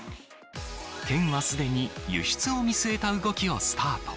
県はすでに輸出を見据えた動きをスタート。